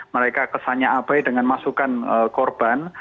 mereka kesannya abai dengan masukan korban